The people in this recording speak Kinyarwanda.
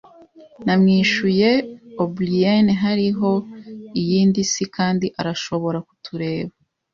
Namwishuye. “O'Brien hariho iyindi si, kandi arashobora kutureba.”